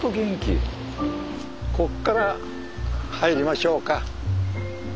こっから入りましょうか。